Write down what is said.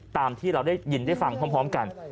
ตามที่เราได้ยินได้ฟังพร้อมกัน